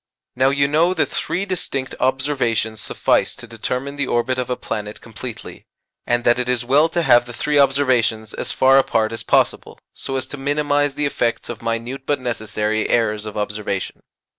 Now you know that three distinct observations suffice to determine the orbit of a planet completely, and that it is well to have the three observations as far apart as possible so as to minimize the effects of minute but necessary errors of observation.